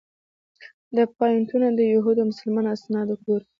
دا پواینټونه د یهودو او مسلمانانو اسناد ګوري.